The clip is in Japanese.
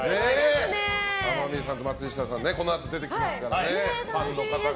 天海さんと松下さんがこのあと、出てきますからね。